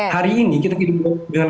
hari ini kita kehidupan dengan